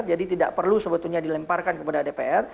jadi tidak perlu sebetulnya dilemparkan kepada dpr